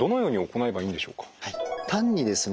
単にですね